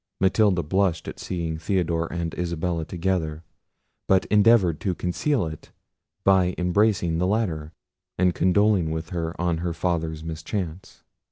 Matilda blushed at seeing Theodore and Isabella together; but endeavoured to conceal it by embracing the latter, and condoling with her on her father's mischance.